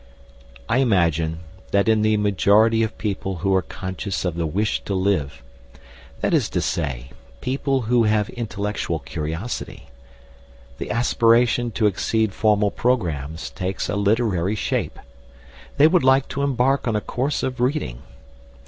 I imagine that in the majority of people who are conscious of the wish to live that is to say, people who have intellectual curiosity the aspiration to exceed formal programmes takes a literary shape. They would like to embark on a course of reading.